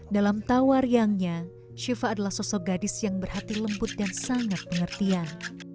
dalam tawa riangnya syifa adalah sosok gadis yang berhati lembut dan sangat pengertian